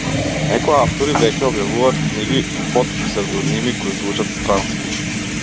Некои автори веќе објавуваат книги под псевдоними кои звучат странски.